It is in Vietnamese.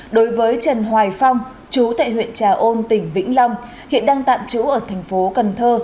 đối với trần hoài phong chú tại huyện trà ôn tỉnh vĩnh long hiện đang tạm trú ở thành phố cần thơ